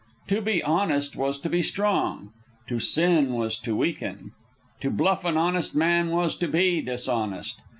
To be honest was to be strong. To sin was to weaken. To bluff an honest man was to be dishonest.